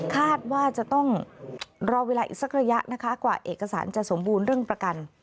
คาดว่าจะต้องรอเวลาอีกสักระยะนะคะกว่าเอกสารจะสมบูรณ์เรื่องประกัน